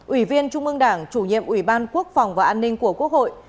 ủy viên trung ương đảng chủ nhiệm ủy ban quốc phòng và an ninh của quốc hội